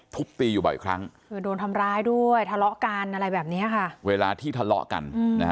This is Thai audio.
ทุบตีอยู่บ่อยครั้งคือโดนทำร้ายด้วยทะเลาะกันอะไรแบบนี้ค่ะเวลาที่ทะเลาะกัน